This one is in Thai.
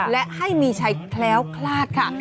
และให้มีชัยแคล้วคลาดค่ะ